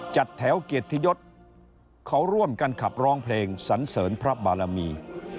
จัดแถวเกียรติยศเขาร่วมกันขับร้องเพลงสันเสริญพระบารมี